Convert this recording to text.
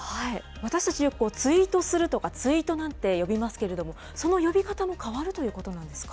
私たち、よく、ツイートするとかツイートなんて呼びますけれども、その呼び方も変わるということなんですか。